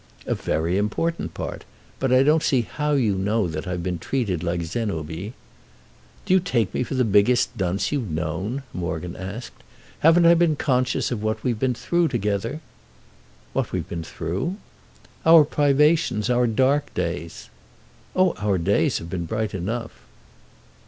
"A very important part. But I don't see how you know that I've been treated like Zénobie." "Do you take me for the biggest dunce you've known?" Morgan asked. "Haven't I been conscious of what we've been through together?" "What we've been through?" "Our privations—our dark days." "Oh our days have been bright enough."